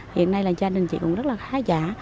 hiện nay là gia đình chị cũng rất là khá giả